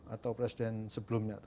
atau presiden sebelumnya